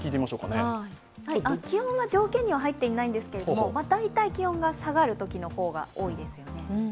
気温は条件には入っていないんですけれども、大体気温が下がるときの方が多いですよね。